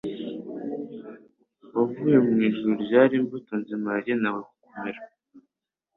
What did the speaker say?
wavuye mu ijuru ryari imbuto nzima yagenewe kumera